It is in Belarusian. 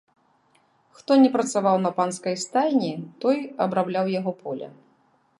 Хто не працаваў на панскай стайні, той абрабляў яго поле.